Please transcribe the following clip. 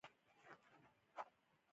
ژباړونکي باید د موضوع ارزښت ته پام وکړي.